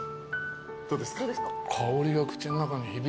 どうですか？